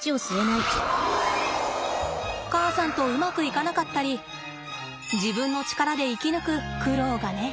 母さんとうまくいかなかったり自分の力で生き抜く苦労がね。